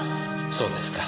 そうですか。